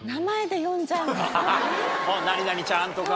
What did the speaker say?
何々ちゃんとか。